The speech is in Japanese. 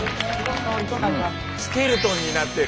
スケルトンになってる。